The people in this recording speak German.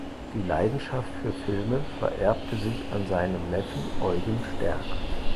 Die Leidenschaft für Filme vererbte sich an seinen Neffen Eugen Sterk.